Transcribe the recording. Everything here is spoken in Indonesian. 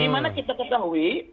dimana kita ketahui